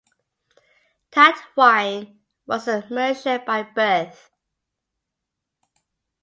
Tatwine was a Mercian by birth.